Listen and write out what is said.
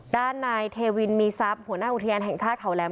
ด้านนายเทวินมีทรัพย์หัวหน้าอุทยานแห่งชาติเขาแหลม